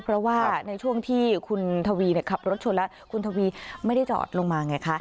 เพราะว่าในช่วงที่คุณทวีขับรถชนแล้วคุณทวีไม่ได้จอดลงมาไงคะ